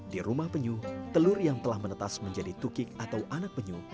di rumah penyu telur yang telah menetas menjadi tukik atau anak penyu